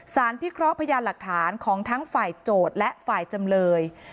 พิเคราะห์พยานหลักฐานของทั้งฝ่ายโจทย์และฝ่ายจำเลย